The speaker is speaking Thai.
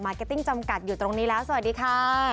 เกตติ้งจำกัดอยู่ตรงนี้แล้วสวัสดีค่ะ